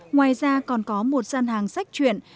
ngoài ra còn có một dân hàng sách chuyện